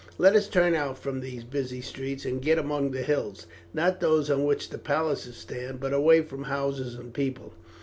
Let us turn out from these busy streets and get among the hills not those on which the palaces stand, but away from houses and people."